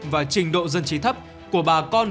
và trình độ dân trí thấp của bà con